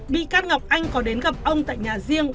bị can ngọc anh có đến gặp ông tại nhà riêng